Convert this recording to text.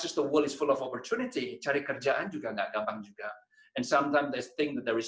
dunia penuh dengan kesempatan cari kerjaan juga tidak mudah juga dan kadang kadang kita pikir